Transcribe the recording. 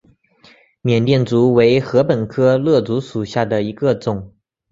缅甸竹为禾本科簕竹属下的一个种。